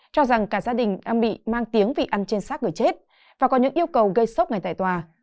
cho rằng cả gia đình đang bị mang tiếng vị ăn trên sát người chết và có những yêu cầu gây sốc ngay tại tòa